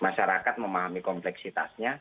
masyarakat memahami kompleksitasnya